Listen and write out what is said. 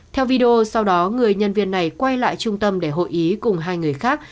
theo video sau đó người nhân viên này quay lại trung tâm để hội ý cùng hai người khác